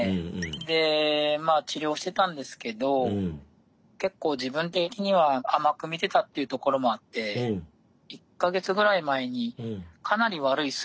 でまあ治療してたんですけど結構自分的には甘く見てたっていうところもあって１か月ぐらい前にかなり悪い数値が出てまして。